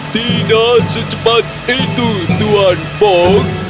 tidak secepat itu tuan fold